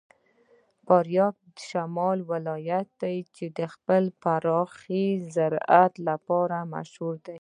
فاریاب د شمال ولایت دی چې د خپل پراخ زراعت لپاره مشهور دی.